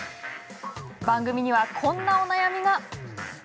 番組には、こんなお悩みが。